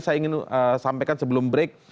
saya ingin sampaikan sebelum break